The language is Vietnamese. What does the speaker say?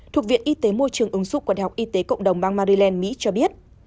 thuộc viện y tế môi trường ứng dụng của đại học y tế cộng đồng bang maryland mỹ cho biết